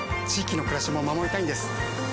域の暮らしも守りたいんです。